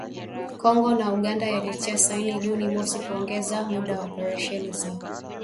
Kongo na Uganda yalitia saini Juni mosi kuongeza muda wa operesheni zao